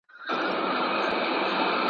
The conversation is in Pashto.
زاغ نيولي ځالګۍ دي د بلبلو.